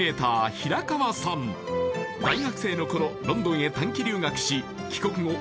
大学生の頃ロンドンへ短期留学し帰国後